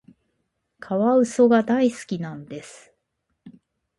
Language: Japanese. カワウソが大好きなんです。